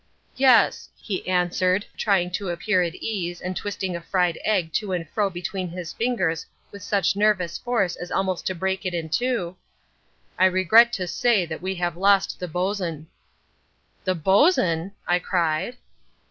"Yes," he answered, trying to appear at ease and twisting a fried egg to and fro between his fingers with such nervous force as almost to break it in two—"I regret to say that we have lost the bosun." "The bosun!" I cried.